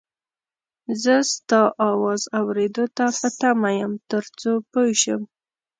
زه ستا اواز اورېدو ته په تمه یم تر څو پوی شم